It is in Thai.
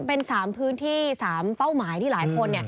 เป็น๓พื้นที่๓เป้าหมายที่หลายคน